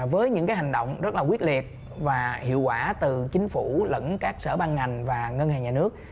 với những hành động rất là quyết liệt và hiệu quả từ chính phủ lẫn các sở ban ngành và ngân hàng nhà nước